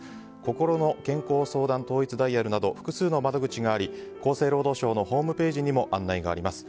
こころの健康相談統一ダイヤルなど複数の窓口があり厚生労働省のホームページにも案内があります。